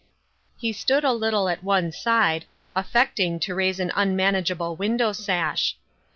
He stood a little at one side, affecting to raise an unman ageable window sash.